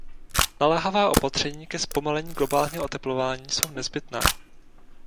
Naléhavá opatření ke zpomalení globálního oteplování jsou nezbytná.